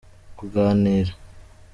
kuganira.